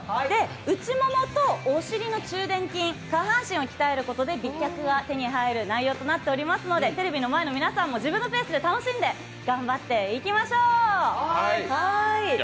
内ももとお尻の中でん筋、下半身を鍛えることで美脚が手に入る内容となっておりますので、テレビの前の皆さんも自分のペースで頑張っていきましょう。